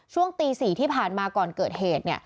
ช่วงตี๔ที่ผ่านมาก่อนเกิดเหตุ